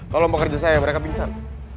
kalau mau kerja saya mereka pingsan